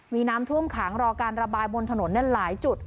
มีน้ำท่วมขังรอการระบายบนถนนหลายจุด